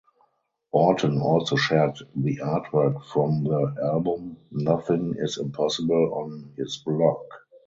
Orton also shared the artwork from the album Nothing Is Impossible on his blog.